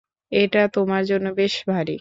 এটা তোমার জন্য বেশ ভারি।